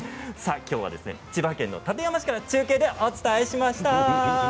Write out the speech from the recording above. きょうは千葉県の館山市から中継でお伝えしました。